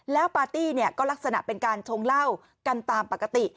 แล้วปาร์ตี้เนี่ยก็ลักษณะเป็นการชงเหล้ากันตามปกติ